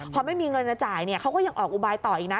พอไม่มีเงินจะจ่ายเขาก็ยังออกอุบายต่ออีกนะ